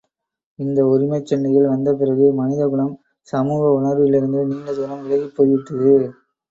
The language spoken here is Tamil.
இந்த உரிமைச் சண்டைகள் வந்த பிறகு மனித குலம் சமூக உணர்விலிருந்து நீண்ட தூரம் விலகிப் போய் விட்டது.